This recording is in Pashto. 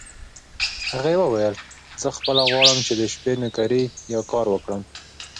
هغې وویل: زه خپله غواړم چې د شپې نوکري یا کار وکړم.